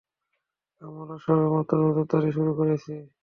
আমরা সবেমাত্র নজরদারি শুরু করেছি।